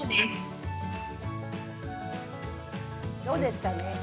どうですかね。